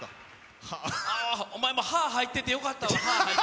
お前も歯、入っててよかったわ。